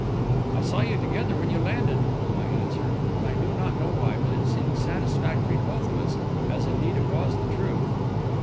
"I saw you together when you landed," was my answer; and I do not know why, but it seemed satisfactory to both of us, as indeed it was the truth.